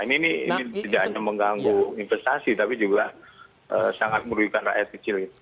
ini tidak hanya mengganggu investasi tapi juga sangat merugikan rakyat kecil